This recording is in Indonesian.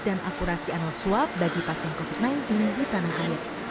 dan akurasi anal swab bagi pasien covid sembilan belas di tanah air